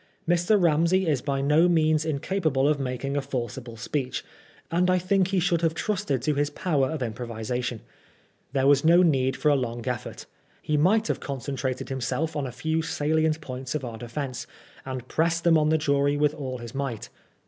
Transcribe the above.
Mr. Ramsey is by no means incapable of making a forcible speech, and I think he should have trusted to his power of im provisation. There was no need for a long effort. He might have concentrated himself on a few salient points of our defence, and pressed them on the jury with all his might.